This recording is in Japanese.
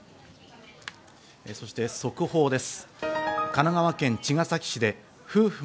そして速報です。